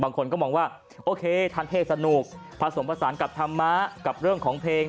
บางคนก็มองว่าโอเคท่านเทศสนุกผสมผสานกับธรรมะกับเรื่องของเพลง